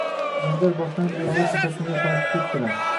Janjal boshlanib, ayollar to`satdan yoqalashib ketdilar